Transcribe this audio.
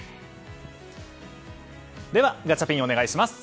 では、ガチャピンお願いします。